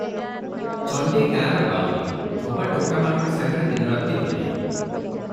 ଚଣ୍ଡୀ ଗାଁର ବାଉରି, ଧୋବା ଟୋକାମାନଙ୍କ ସାଙ୍ଗରେ ଦିନ ରାତି ବୁଲେ ।